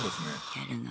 やるのね。